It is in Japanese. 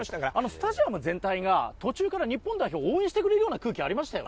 スタジアム全体が途中から日本代表を応援してくれるような空気でしたね。